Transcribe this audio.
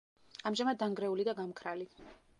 ამჟამად დანგრეული და გამქრალი.